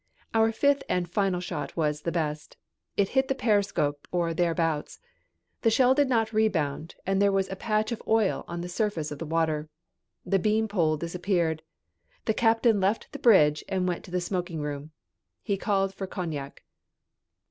Our fifth and final shot was the best. It hit the periscope or thereabouts. The shell did not rebound and there was a patch of oil on the surface of the water. The beanpole disappeared. The captain left the bridge and went to the smoking room. He called for cognac.